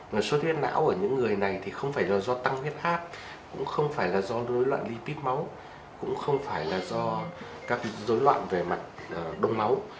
và xuất huyết não ở những người này thì không phải là do tăng huyết hát cũng không phải là do đối loạn lipid máu cũng không phải là do các đối loạn về mặt đông máu